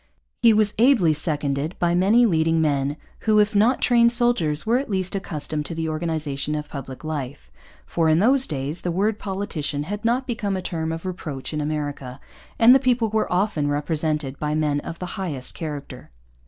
He was ably seconded by many leading men who, if not trained soldiers, were at least accustomed to the organization of public life; for in those days the word politician had not become a term of reproach in America, and the people were often represented by men of the highest character.